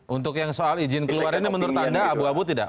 untuk yang soal izin keluar ini menurut anda abu abu tidak